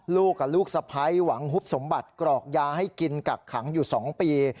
ลูกกับลูกสะพ้ายหวังฮุบสมบัติกรอกยาให้กินกักขังอยู่๒ปี